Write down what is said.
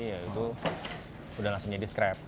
ya itu udah langsung jadi scrap